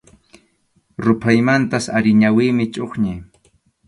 Ruphaymantach ari ñawiymi chʼuqñi.